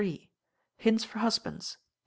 Hints for Husbands (2).